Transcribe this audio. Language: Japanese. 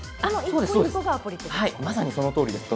まさにそのとおりです。